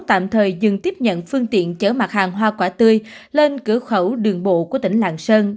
tạm thời dừng tiếp nhận phương tiện chở mặt hàng hoa quả tươi lên cửa khẩu đường bộ của tỉnh lạng sơn